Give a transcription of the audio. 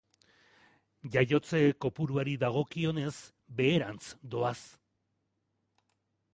Jaiotze kopuruari dagokionez, beherantz doaz.